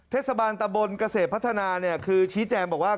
เทศบาลตะบลเกษฐพัฒนาคือชี้แจงบอกว่า